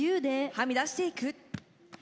はみ出していく。